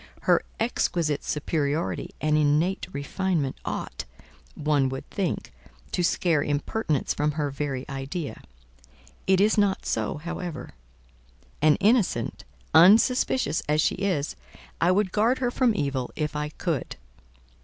Her exquisite superiority and innate refinement ought, one would think, to scare impertinence from her very idea. It is not so, however; and innocent, unsuspicious as she is, I would guard her from evil if I could.